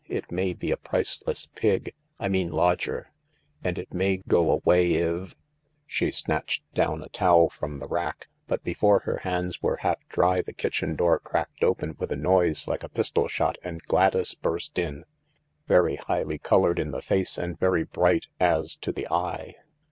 It may be a priceless Pig — I mean lodger — and it may go away if " She snatched down a towel from the rack, but before her hands were half dried the kitchen door cracked open with a noise like a pistol shot and Gladys burst in, very highly coloured in the face and very bright as to the eye.